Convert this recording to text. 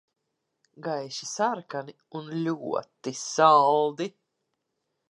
Gaiši sarkani un ļoti saldi.